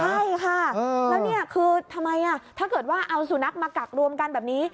ใช่ค่ะแล้วนี่คือทำไมถ้าเกิดว่าเอาสุนัขมากักรวมกันแบบนี้